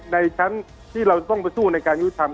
ในชั้นที่เราต้องไปสู้ในการยุทธรรม